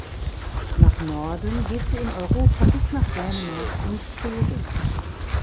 Nach Norden geht sie in Europa bis nach Dänemark und Schweden.